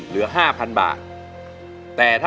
เหลือ๕๐๐๐บาท